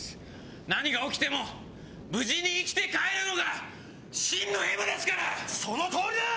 何が起きても、無事に生きて帰るのが真のＭですから！